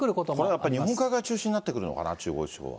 これやっぱり日本海側中心になってくるのかな、中国地方は。